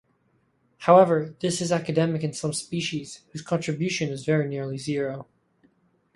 However, this is academic in some species whose contribution is very nearly zero.